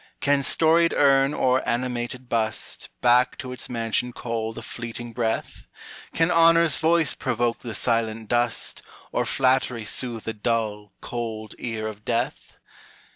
Can storied urn or animated bust: Back to its mansion call the fleeting breath? Can honor's voice provoke the silent dust, Or flattery soothe the dull, cold ear of death?